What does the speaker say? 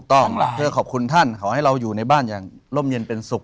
ต้องเพื่อขอบคุณท่านขอให้เราอยู่ในบ้านอย่างร่มเย็นเป็นสุข